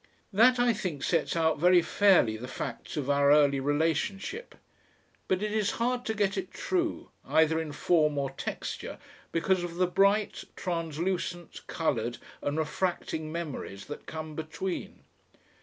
That, I think, sets out very fairly the facts of our early relationship. But it is hard to get it true, either in form or texture, because of the bright, translucent, coloured, and refracting memories that come between.